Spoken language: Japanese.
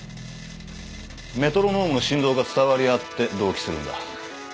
メトロノームの振動が伝わり合って同期するんだ。